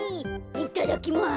いただきます。